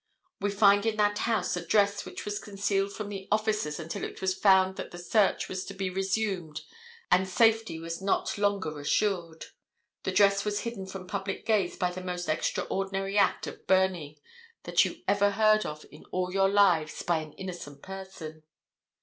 We find in that house a dress which was concealed from the officers until it was found that the search was to be resumed and safety was not longer assured. The dress was hidden from public gaze by the most extraordinary act of burning that you ever heard of in all your lives by an innocent person.